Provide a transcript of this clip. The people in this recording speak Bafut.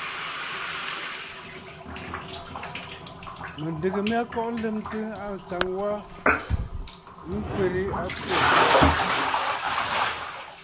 Mɨ̀ndɨgə mya kɔʼɔ lɨmtə ànsaŋ wa ŋkwerə a kwô.